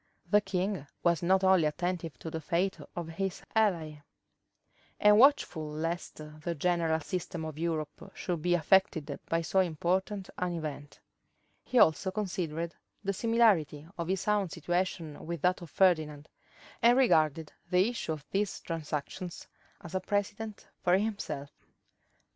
The king was not only attentive to the fate of his ally, and watchful lest the general system of Europe should be affected by so important an event; he also considered the similarity of his own situation with that of Ferdinand, and regarded the issue of these transactions as a precedent for himself.